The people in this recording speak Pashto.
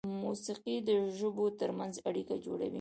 موسیقي د ژبو تر منځ اړیکه جوړوي.